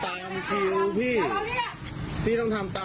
พอแล้วพี่เงียบไปแล้วแล้วพี่ทำอาหาร